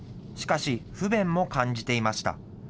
しかし、不便も感じていました。